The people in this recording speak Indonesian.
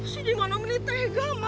si dimana mending tega man